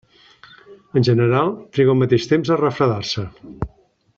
En general, triga el mateix temps a refredar-se.